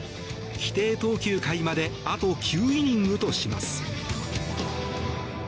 規定投球回まであと９イニングとします。